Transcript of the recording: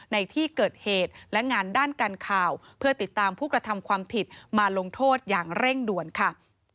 ในที่เกิดเหตุและงานด้านการข่าวเพื่อติดตามผู้กระทำความผิดมาลงโทษอย่างเร่งด่วนค่ะ